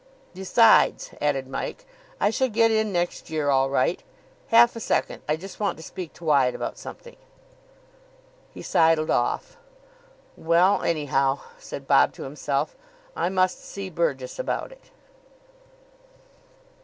"Besides," added Mike, "I shall get in next year all right. Half a second, I just want to speak to Wyatt about something." He sidled off. "Well, anyhow," said Bob to himself, "I must see Burgess about it."